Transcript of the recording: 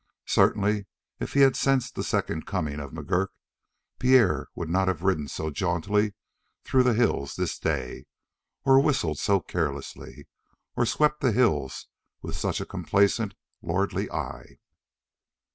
Certainly if he had sensed the second coming of McGurk, Pierre would not have ridden so jauntily through the hills this day, or whistled so carelessly, or swept the hills with such a complacent, lordly eye.